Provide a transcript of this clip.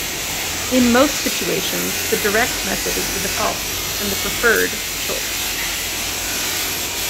In most situations, the direct method is the default, and the preferred, choice.